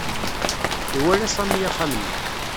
Iwala Sami axxam-nni.